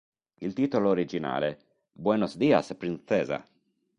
Il titolo originale, "¡Buenos días, princesa!